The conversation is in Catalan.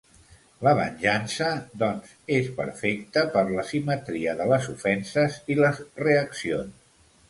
La venjança, doncs, és perfecta per la simetria de les ofenses i les reaccions.